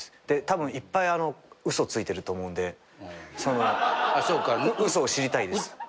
でたぶんいっぱい嘘ついてると思うんで嘘を知りたいです。